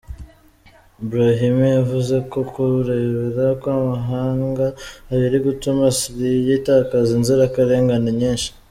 Brahimi yavuze ko kurebera kw’amahanga biri gutuma Syria itakaza inzirakarengane nyinshi.